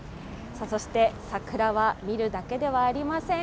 そして桜は見るだけではありません。